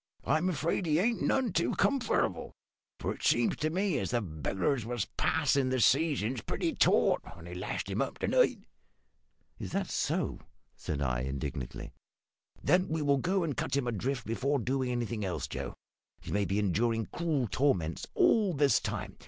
I am afraid he ain't none too comfortable, for it seemed to me as the beggars was passin' the seizings pretty taut when they lashed him up to night." "Is that so?" said I, indignantly. "Then we will go and cut him adrift before doing anything else, Joe. He may be enduring cruel torments all this time.